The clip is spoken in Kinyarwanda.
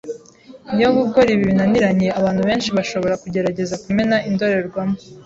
Iyo gukora ibi binaniranye, abantu benshi bashobora kugerageza kumena indorerwamo